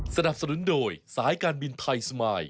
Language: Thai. สนับสนุนโดยสายการบินไทยสมาย